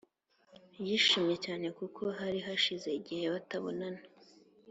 yishimye cyane kuko hari hashize igihe batabonana,